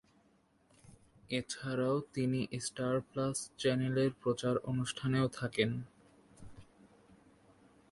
এছাড়াও তিনি Star Plus চ্যানেলের প্রচার অনুষ্ঠানেও থাকেন।